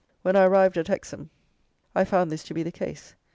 When I arrived at Hexham, I found this to be the case.